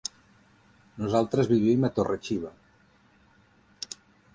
Nosaltres vivim a Torre-xiva.